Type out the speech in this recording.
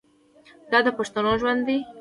دا د پښتنو ژوند دی.